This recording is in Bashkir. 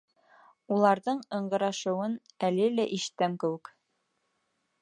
Уларҙың ыңғырашыуын әле лә ишетәм кеүек.